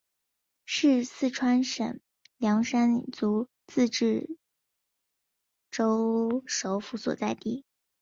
是四川省凉山彝族自治州首府所在地。